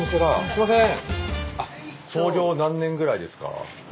すいません。